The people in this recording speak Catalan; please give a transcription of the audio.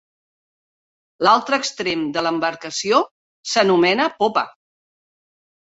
L'altre extrem de l'embarcació s'anomena popa.